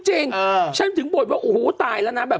จริงฉันถึงบทว่าโอ้โหตายแล้วนะแบบ